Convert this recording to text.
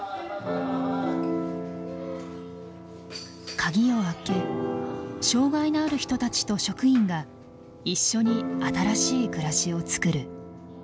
鍵をあけ障害のある人たちと職員が一緒に新しい暮らしをつくる。